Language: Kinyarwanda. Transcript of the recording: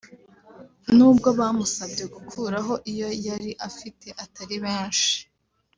n’ubwo abamusabye gukuraho iyo yari afite atari benshi